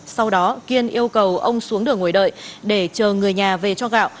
sau đó kiên yêu cầu ông xuống đường ngồi đợi để chờ người nhà về cho gạo